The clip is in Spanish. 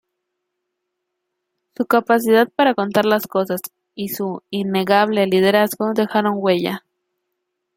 Su capacidad para contar las cosas y su innegable liderazgo dejaron huella.